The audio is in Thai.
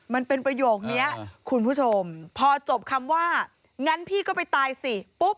มันเป็นประโยคนี้คุณผู้ชมพอจบคำว่างั้นพี่ก็ไปตายสิปุ๊บ